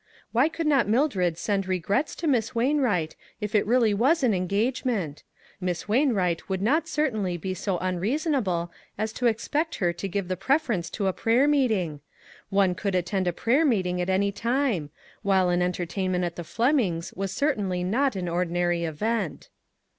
Why could not Mildred send regrets to Miss Wainwright, if it really was an engagement ? Miss Wainwright would not certainly be so un reasonable as to expect her to give the 25O ONE COMMONPLACE DAY. preference to a prayer meeting? One could attend a prayer meeting at any time ; while an entertainment at the Flemings was cer tainly not an ordinary event.